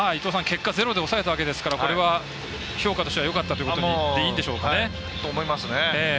結果ゼロに抑えたわけですからこれは評価としてはよかったということでいいんでしょうか。